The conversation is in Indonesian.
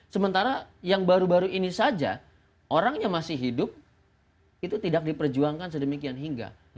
sementara yang baru baru ini saja orangnya masih hidup itu tidak diperjuangkan sedemikian hingga